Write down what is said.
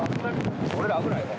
俺ら危ないわ。